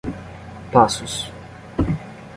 Passos